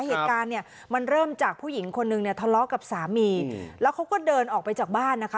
เหตุการณ์เนี่ยมันเริ่มจากผู้หญิงคนนึงเนี่ยทะเลาะกับสามีแล้วเขาก็เดินออกไปจากบ้านนะคะ